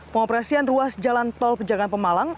pengoperasian ruas jalan tol pejagaan pemalang